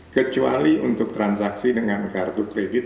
kecuali untuk transaksi dengan kartu kredit